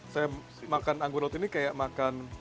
saya makan anggur laut ini kayak makan